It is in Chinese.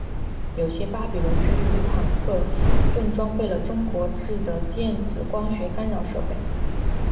有些巴比伦之狮坦克更装备了中国制的电子光学干扰设备。